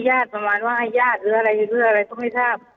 ประมาณว่าให้ญาติหรืออะไรหรืออะไรก็ไม่ทราบ